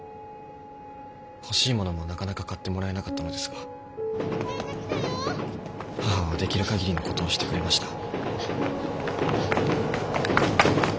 欲しいものもなかなか買ってもらえなかったのですが母はできるかぎりのことをしてくれました。